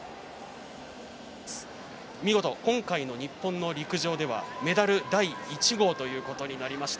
見事、今回の日本の陸上ではメダル第１号ということになりました